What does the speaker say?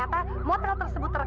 tuh kamu lihat aja sendiri